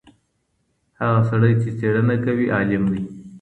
هغه سړی چي څېړنه کوي عالم دی.